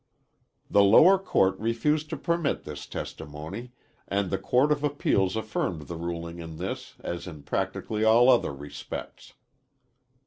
The lower court refused to permit this testimony and the Court of Appeals affirmed the ruling in this as in practically all other respects.